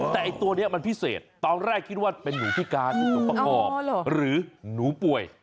แต่ไอ้ตัวนี้มันพิเศษตอนแรกคิดว่าเป็นหนูพิการเป็นส่วนประกอบหรือหนูป่วย